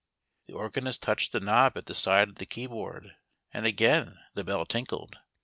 The organist touched the knob at the side of the key board, and again the bell tinkled.